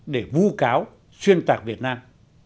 để vu cáo xuyên tạc việt nam